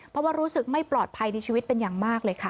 เพราะว่ารู้สึกไม่ปลอดภัยในชีวิตเป็นอย่างมากเลยค่ะ